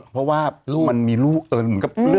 เพราะว่ามันมีลูก